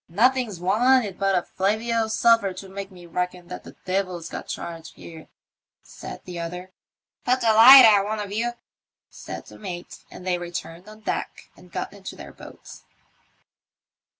" Nothings wanted but a flavey o' sulphur to make me reckon that the Devil's got charge here," said the other. *'Put that light out, one of you," said the mate, and they returned on deck and got into their boat.